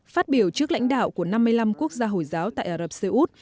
phát biểu trước lãnh đạo của năm mươi năm quốc gia hồi giáo tại ả rập xê út